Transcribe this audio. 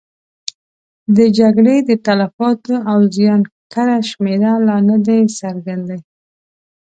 د جګړې د تلفاتو او زیان کره شمېرې لا نه دي څرګندې.